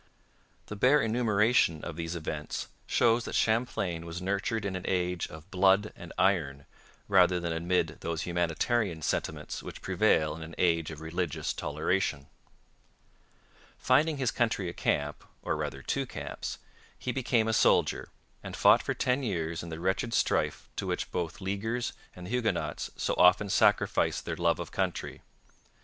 The bare enumeration of these events shows that Champlain was nurtured in an age of blood and iron rather than amid those humanitarian sentiments which prevail in an age of religious toleration. Finding his country a camp, or rather two camps, he became a soldier, and fought for ten years in the wretched strife to which both Leaguers and Huguenots so often sacrificed their love of country.